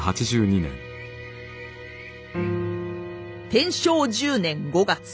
天正１０年５月。